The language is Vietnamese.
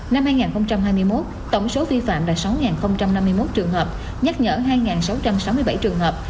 năm hai nghìn hai mươi một tổng số vi phạm là sáu năm mươi một trường hợp nhắc nhở hai sáu trăm sáu mươi bảy trường hợp